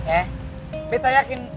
eh betah yakin